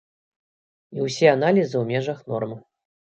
І ўсе аналізы ў межах нормы.